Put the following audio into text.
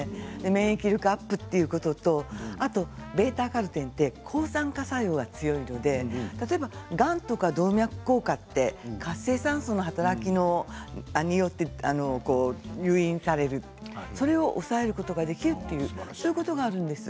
免疫力アップということとβ−カロテンは抗酸化作用が強いので例えば、がんとか動脈硬化など活性酸素の働きによって誘因されるそれを抑えることができるというそういうことがあります。